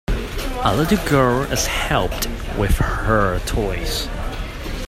A little girl is helped with her toys.